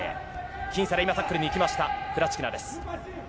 僅差で今、タックルにいきました、クラチキナです。